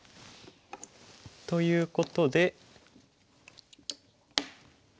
ということで。